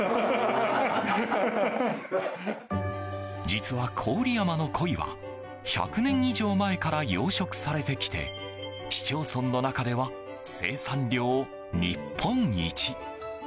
実は、郡山の鯉は１００年以上前から養殖されてきて市町村の中では生産量日本一。